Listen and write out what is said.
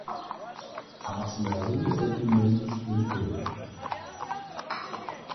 Artillerie-Regiments in Ulm.